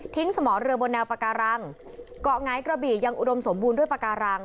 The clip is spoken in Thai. สมอเรือบนแนวปาการังเกาะหงายกระบี่ยังอุดมสมบูรณ์ด้วยปากการัง